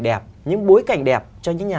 đẹp những bối cảnh đẹp cho những nhà